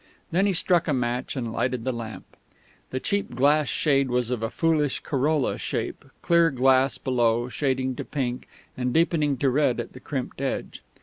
Then he struck a match and lighted the lamp. The cheap glass shade was of a foolish corolla shape, clear glass below, shading to pink, and deepening to red at the crimped edge.